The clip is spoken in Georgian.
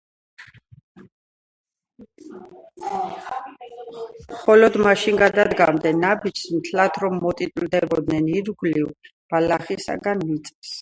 მხოლოდ მაშინ გადასდგამდნენ ნაბიჯს, მთლად რომ მოატიტვლებდნენ ირგვლივ ბალახისაგან მიწას.